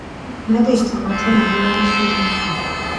ნადეჟდა მათი ნაბოლარა შვილი იყო.